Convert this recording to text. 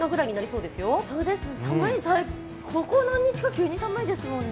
そうですね、ここ何日か急に寒いですもんね。